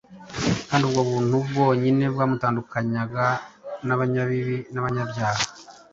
kandi ubwo buntu bwonyine bwamutandukanyaga n’abanyabibi n’abanyabyaha.